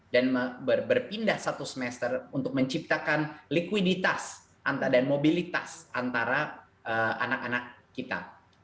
dan berpindah satu semester untuk menciptakan likuiditas dan mobilitas antara anak anak kita